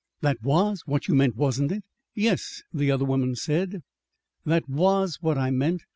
"That was what you meant, wasn't it?" "Yes," the other woman said, "that was what I meant.